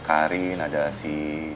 karin ada si